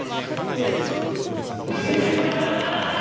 いやいやカンペどおりです。